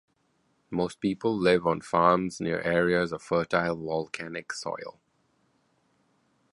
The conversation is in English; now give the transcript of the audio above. Most people live on farms near areas of fertile volcanic soil.